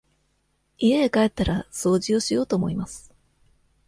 家へ帰ったら掃除をしようと思います。